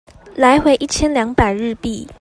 來回一千兩百日幣